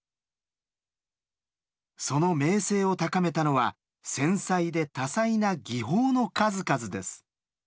その名声を高めたのは繊細で多彩な技法の数々です。